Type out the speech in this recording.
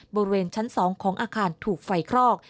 บริเวณชั้น๒ของอาคารถูกไฟคลอก